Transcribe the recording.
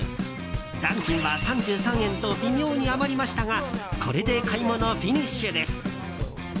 残金は３３円と微妙に余りましたがこれで買い物フィニッシュです。